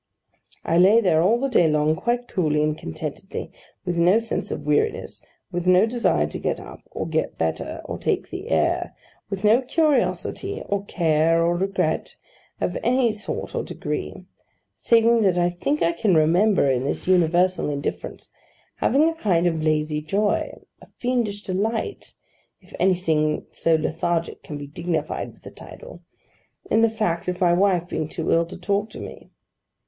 I lay there, all the day long, quite coolly and contentedly; with no sense of weariness, with no desire to get up, or get better, or take the air; with no curiosity, or care, or regret, of any sort or degree, saving that I think I can remember, in this universal indifference, having a kind of lazy joy—of fiendish delight, if anything so lethargic can be dignified with the title—in the fact of my wife being too ill to talk to me.